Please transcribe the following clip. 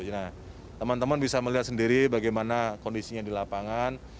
nah teman teman bisa melihat sendiri bagaimana kondisinya di lapangan